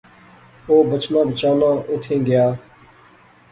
اہ بچنا بچانا اوتھیں گیا